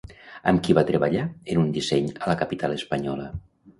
Amb qui va treballar en un disseny a la capital espanyola?